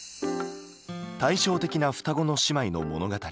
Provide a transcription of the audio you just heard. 対照的な双子の姉妹の物語